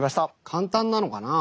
簡単なのかな。